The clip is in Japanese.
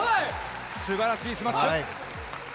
すばらしいスマッシュ。